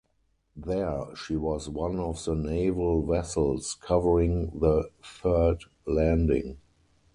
There she was one of the naval vessels covering the third landing.